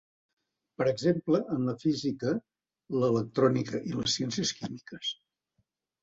Per exemple, en la física, l'electrònica i les ciències químiques.